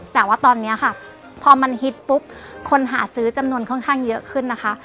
แต่ว่าตอนนี้ค่ะพอมันฮิตปุ๊บคนหาซื้อจำนวนค่อนข้างเยอะขึ้นนะคะ